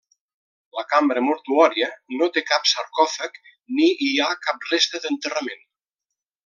La cambra mortuòria no té cap sarcòfag ni hi ha cap resta d'enterrament.